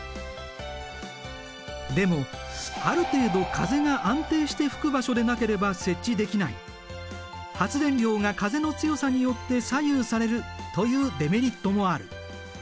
でもある程度風が安定して吹く場所でなければ設置できない発電量が風の強さによって左右されるというデメリットもある。